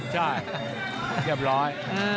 ใช่เรียบร้อย